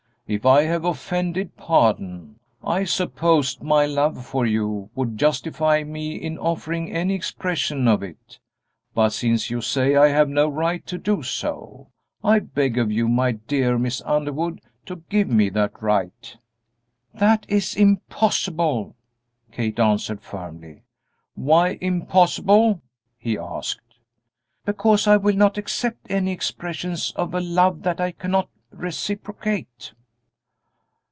If I have offended, pardon. I supposed my love for you would justify me in offering any expression of it, but since you say I have no right to do so, I beg of you, my dear Miss Underwood, to give me that right." "That is impossible," Kate answered, firmly. "Why impossible?" he asked. "Because I will not accept any expressions of a love that I cannot reciprocate."